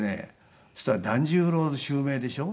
そしたら團十郎の襲名でしょ？